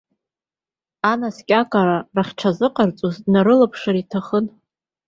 Анаскьагара рҽахьазыҟарҵоз днарылаԥшыр иҭахын.